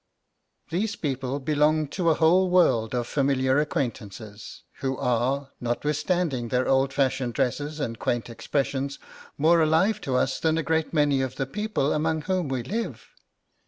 These people belong to a whole world of familiar acquaintances, who are, notwithstanding their old fashioned dresses and quaint expressions, more alive to us than a great many of the people among whom we live.